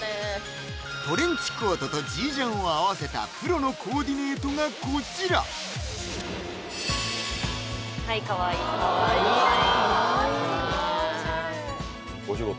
トレンチコートとジージャンを合わせたプロのコーディネートがこちらはいかわいいかわいいわぁおしゃれお仕事？